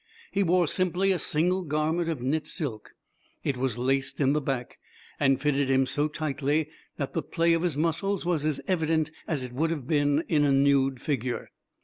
He wore simply a single garment of knit silk. It was laced in the back, and fitted him so tightly that the play of his muscles was as evident as it would have been in a nude figure.